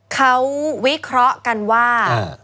เขาวิเคราะห์กันว่า